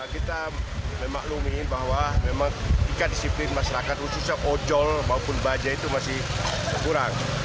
kita memaklumi bahwa memang tingkat disiplin masyarakat khususnya ojol maupun baja itu masih kurang